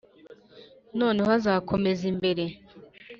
noneho azakomeza imbere,